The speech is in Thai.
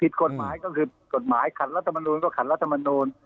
กฎหมายก็คือกฎหมายขัดรัฐมนูลก็ขัดรัฐมนูล